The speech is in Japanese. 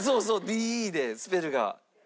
ＤＥでスペルが。